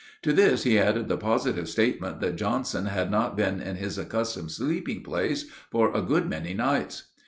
To this he added the positive statement that Johnson had not been in his accustomed sleeping place for a good many nights.